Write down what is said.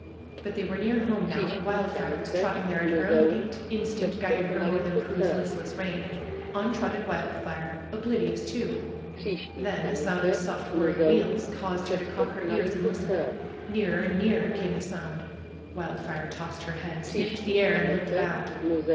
But they were near home now, and Wildfire was trotting there at her own gait, instinct guiding her more than Prue's listless rein. On trotted Wildfire, oblivious too. Then the sound of soft whirring wheels caused her to cock her ears and listen. Nearer and nearer came the sound! Wildfire tossed her head, sniffed the air and looked about.